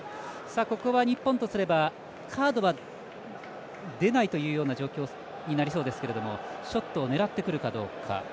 ここは日本とすればカードは出ないというような状況になりそうですけどもショットを狙ってくるかどうか。